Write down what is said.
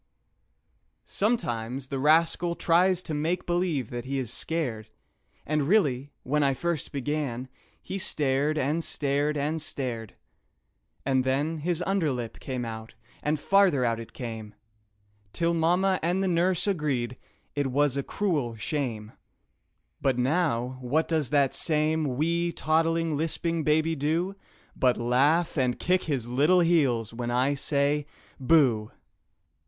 Sometimes the rascal tries to make believe that he is scared, And really, when I first began, he stared, and stared, and stared; And then his under lip came out and farther out it came, Till mamma and the nurse agreed it was a "cruel shame" But now what does that same wee, toddling, lisping baby do But laugh and kick his little heels when I say "Booh!"